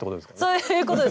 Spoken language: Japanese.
そういうことですね。